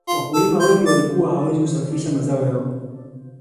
wakulima wengi walikuwa hawawezi kusafirisha mazao yao